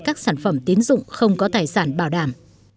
các sản phẩm tín dụng không có tài sản bảo đảm